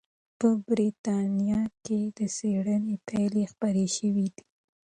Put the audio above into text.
په بریتانیا کې د څېړنې پایلې خپرې شوې دي.